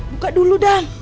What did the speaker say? buka dulu dam